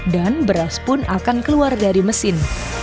dan beras pun akan keluar dari mesin